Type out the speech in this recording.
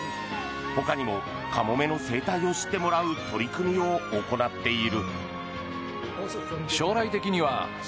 ほかにもカモメの生態を知ってもらうための取り組みを行っている。